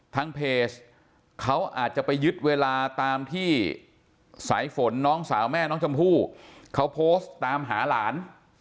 ทางเพจเขาอาจจะไปยึดเวลาตามที่สายฝนน้องสาวแม่น้องชมพู่เขาโพสต์ตามหาหลาน